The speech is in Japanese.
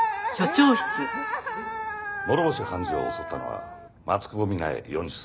諸星判事を襲ったのは松久保三奈江４０歳。